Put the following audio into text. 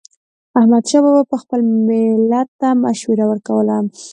احمدشاه بابا به خپل ملت ته مشوره ورکوله.